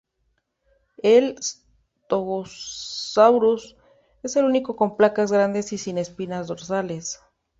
El "Stegosaurus" es el único con placas grandes y sin espinas dorsales.